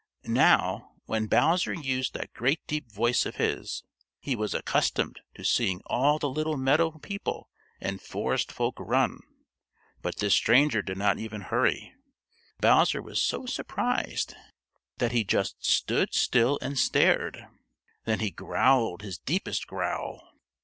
Now, when Bowser used that great deep voice of his, he was accustomed to seeing all the little meadow people and forest folk run, but this stranger did not even hurry. Bowser was so surprised that he just stood still and stared. Then he growled his deepest growl.